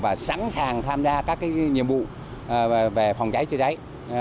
và sẵn sàng tham gia các nhiệm vụ về phòng cháy chữa cháy